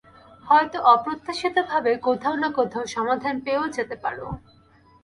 হয়তো অপ্রত্যাশিতভাবে কোথাও না কোথাও সমাধান পেয়েও যেতে পারো।